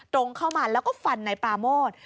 ตรงเข้ามาแล้วก็ฟันนายปราโมท